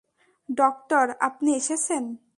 Doctor, আপনি এসেছেন।